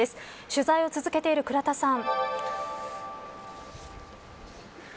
取材を続けている倉田さん。